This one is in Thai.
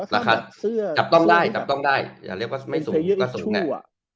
ราคาจับต้องได้อย่าเรียกว่าไม่สูงก็สูงนะ